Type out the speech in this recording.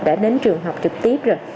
đã đến trường học trực tiếp rồi